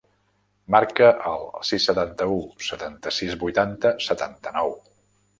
Marca el sis, setanta-u, setanta-sis, vuitanta, setanta-nou.